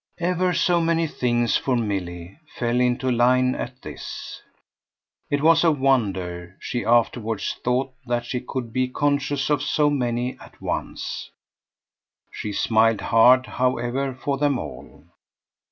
Ever so many things, for Milly, fell into line at this; it was a wonder, she afterwards thought, that she could be conscious of so many at once. She smiled hard, however, for them all.